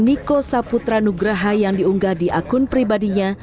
niko saputra nugraha yang diunggah di akun pribadinya